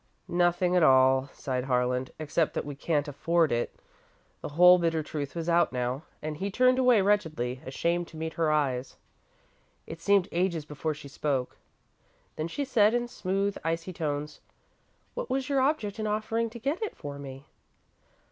"Nothing at all," sighed Harlan, "except that we can't afford it." The whole bitter truth was out, now, and he turned away wretchedly, ashamed to meet her eyes. It seemed ages before she spoke. Then she said, in smooth, icy tones: "What was your object in offering to get it for me?"